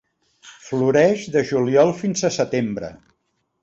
Floreix de juliol fins a setembre.